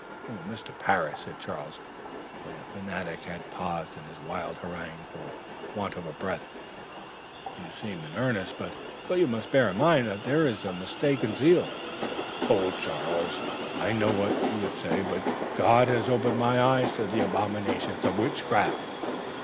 "Mr. Parris," said Charles, when the fanatic had paused in his wild harangue for want of breath, "you seem in earnest; but you must bear in mind that there is a mistaken zeal " "Hold, Charles, I know what you would say; but God has opened my eyes to the abominations of witchcraft."